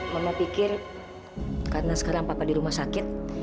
mama pikir karena sekarang papa di rumah sakit